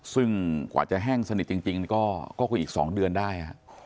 ซึ่งกว่าจะแห้งสนิทจริงก็คุยอีก๒เดือนได้